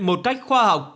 một cách khoa học